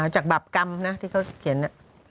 จากบาปกรรมนะที่เขาเขียน